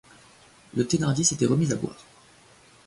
Le Thénardier s'était remis à boire.